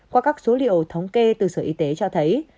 qua các số liệu thống kê từ sở y tế cho thấy